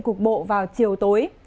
cuộc bộ vào chiều tối